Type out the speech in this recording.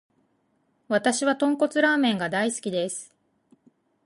わたしは豚骨ラーメンが大好きです。